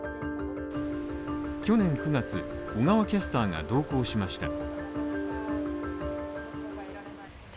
去年９月、小川キャスターが同行しました。